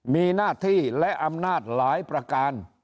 มีหน้าที่และอำนาจหลายประการ